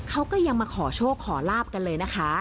เขาก็ยังมาขอโชคขอลาบกันเลยนะคะ